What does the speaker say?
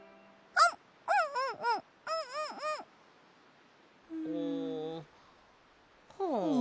うんはあ。